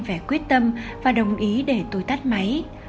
phải quyết tâm và đồng ý để tôi tắt máy